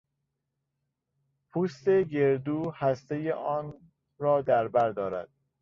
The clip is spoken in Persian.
پوست گردو هستهی آنرا در بر دارد.